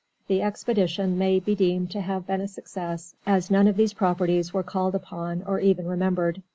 The expedition may be deemed to have been a success, as none of these properties were called upon or even remembered.